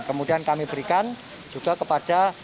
kemudian kami berikan juga kepada